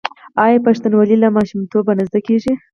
آیا پښتونولي له ماشومتوبه نه زده کیږي؟